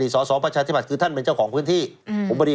อดีตสศปชาธิบัตรคือท่านเป็นเจ้าของพื้นที่